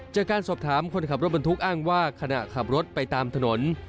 จากการสอบถามคนขับรถบรรทุกอ้างว่าขณะขับรถไปตามถนน